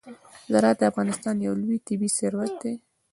زراعت د افغانستان یو لوی طبعي ثروت دی.